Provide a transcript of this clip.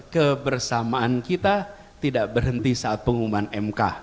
kebersamaan kita tidak berhenti saat pengumuman mk